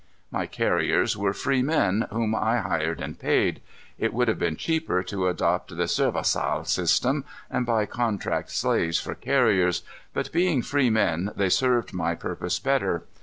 My carriers were free men, whom I hired and paid. It would have been cheaper to adopt the servaçal system and buy contract slaves for carriers, but being free men they served my purpose better.